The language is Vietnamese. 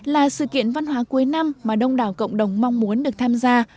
là sự kiện văn hóa cuối năm mà đông đảo cộng đồng mong muốn được tham gia